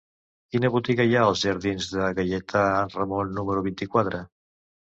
Quina botiga hi ha als jardins de Gaietà Renom número vint-i-quatre?